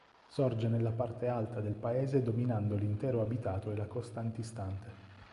Sorge nella parte alta del paese dominando l'intero abitato e la costa antistante.